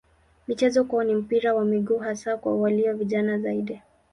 Michezo kwao ni mpira wa miguu hasa kwa walio vijana zaidi.